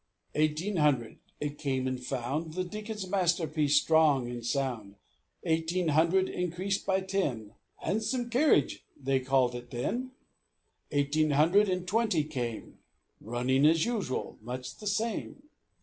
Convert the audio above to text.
Eighteen hundred it came and found The Deacon's masterpiece strong and sound. Eighteen hundred increased by ten "Hahnsum kerridge" they called it then. Eighteen hundred and twenty came Running as usual; much the same.